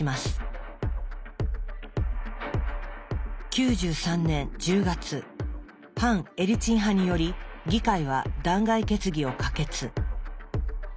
９３年１０月反エリツィン派により議会は弾劾決議を可決。